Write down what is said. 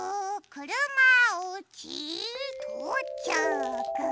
くるまおうちとうちゃく。